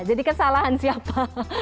jadi kesalahan siapa